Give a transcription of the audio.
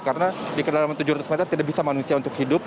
karena di kedalaman tujuh ratus meter tidak bisa manusia untuk hidup